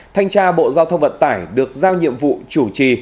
thanh tra bộ giao thông vận tải được giao nhiệm vụ chủ trì